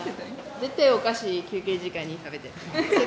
絶対お菓子、休憩時間に食べてる。